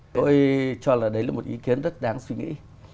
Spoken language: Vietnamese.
tôi cho là đấy là một ý kiến rất đáng suy nghĩ